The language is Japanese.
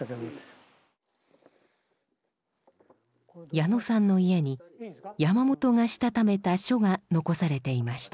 矢野さんの家に山本がしたためた書が残されていました。